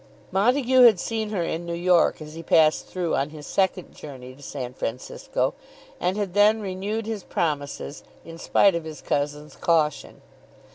Montague had seen her in New York as he passed through on his second journey to San Francisco, and had then renewed his promises in spite of his cousin's caution.